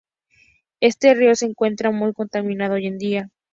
Este río se encuentra muy contaminado hoy en día.